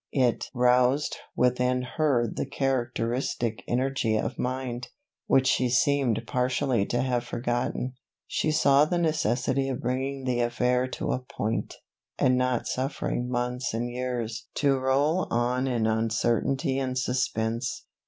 It roused within her the characteristic energy of mind, which she seemed partially to have forgotten. She saw the necessity of bringing the affair to a point, and not suffering months and years to roll on in uncertainty and suspence.